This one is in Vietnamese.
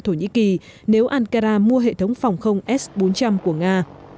thổ nhĩ kỳ nếu ankara mua hệ thống phòng không s bốn trăm linh của nga